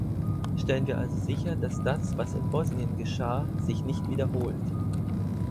Stellen wir also sicher, dass das, was in Bosnien geschah, sich nicht wiederholt.